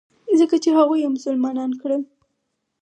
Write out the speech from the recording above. ځکه چې هغوى يې مسلمانان کړل.